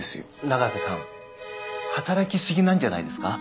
永瀬さん働きすぎなんじゃないですか？